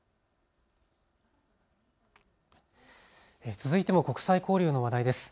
続いても国際交流の話題です。